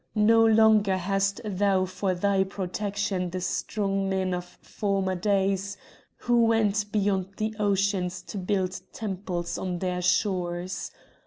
No longer hast thou for thy protection the strong men of former days who went beyond the oceans to build temples on their shores.